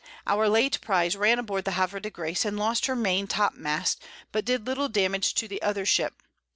Our late Prize ran aboard the Havre de Grace, and lost her Main Top mast, but did little Damage to the other Ship.